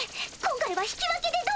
今回は引き分けでどうだ？